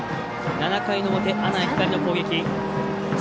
７回の表、阿南光の攻撃。